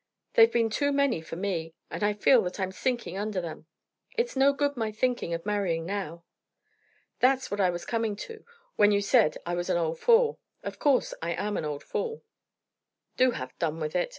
They've been too many for me, and I feel that I'm sinking under them. It's no good my thinking of marrying now." "That's what I was coming to when you said I was an old fool. Of course I am an old fool." "Do have done with it!